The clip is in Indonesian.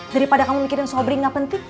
daripada kamu mikirin sobrin gak penting